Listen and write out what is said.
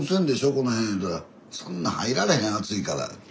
この辺言うたらそんな入られへん熱いからって。